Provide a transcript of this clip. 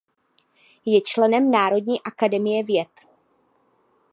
Je členem Národní Akademie Věd.